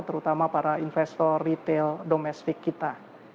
terutama para investor retail domestik kita